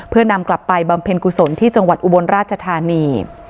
เพื่อนำกลับไปบำเพ็ญกุศลที่จังหวัดอุบลราชธานี